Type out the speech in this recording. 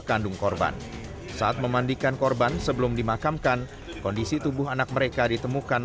kandung korban saat memandikan korban sebelum dimakamkan kondisi tubuh anak mereka ditemukan